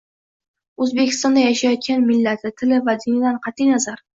O‘zbekistonda yashayotgan, millati, tili va dinidan qat’i nazar